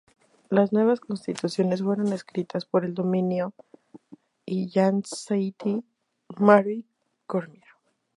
Las nuevas constituciones fueron escritas por el dominico Hyacinthe-Marie Cormier.